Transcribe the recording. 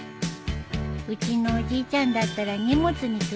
うちのおじいちゃんだったら荷物につぶされてるよ